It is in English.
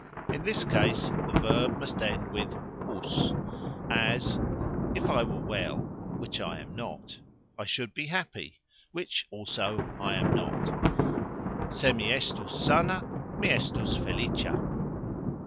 In this case the verb must end with " us", as, If I were well (which I am not) I should be happy (which also I am not), "Se mi estus sana, mi estus felicxa".